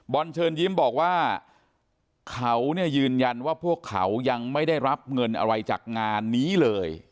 เชิญยิ้มบอกว่าเขาเนี่ยยืนยันว่าพวกเขายังไม่ได้รับเงินอะไรจากงานนี้เลย